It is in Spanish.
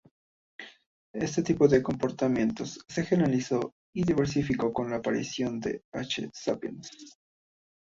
Este tipo de comportamientos se generalizó y diversificó con la aparición del "H. sapiens".